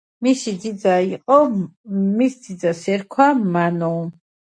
ამ პერიოდში მოხდა გაგაუზიის ტრანსფორმირება ავტონომიურ ტერიტორიულ წარმონაქმნში მოლდოვის შემადგენლობაში.